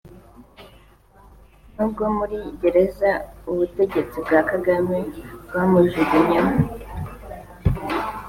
n’ubwo muri gereza ubutegetsi bwa Kagame bwamujugumyemo